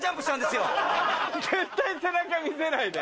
絶対背中見せないで。